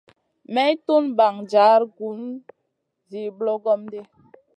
May tun ɓaŋ jar gun zi ɓlogom ɗi.